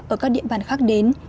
ở các địa bàn khác đến